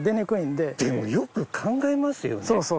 でもよく考えますよね